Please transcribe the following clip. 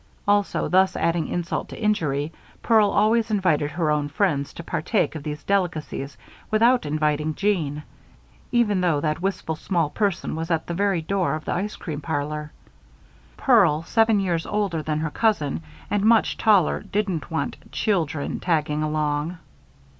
Also, thus adding insult to injury, Pearl always invited her own friends to partake of these delicacies without inviting Jeanne, even though that wistful small person were at the very door of the ice cream parlor. Pearl, several years older than her cousin and much taller, didn't want children tagging along.